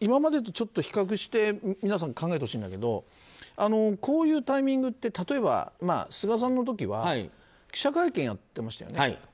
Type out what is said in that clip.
今までと比較して皆さん、考えてほしいんだけどこういうタイミングって例えば菅さんの時は記者会見をやっていましたよね。